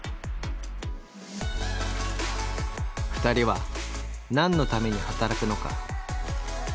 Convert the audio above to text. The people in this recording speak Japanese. ２人は何のために働くのか？